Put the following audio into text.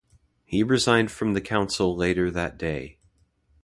He resigned from the Council later that day.